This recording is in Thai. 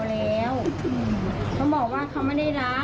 แล้วเขาก็ไปพูดบอกเพื่อนเราด้วยว่าเขาก็จะไม่อยู่กับเราแล้ว